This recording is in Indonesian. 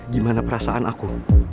gimana perasaan aku